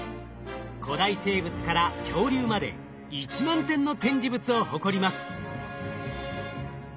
古代生物から恐竜まで１万点の展示物を誇ります。